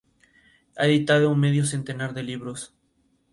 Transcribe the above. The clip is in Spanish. El video promocional se filmó ese mismo mes de marzo.